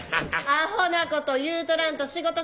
アホなこと言うとらんと仕事しなはれ！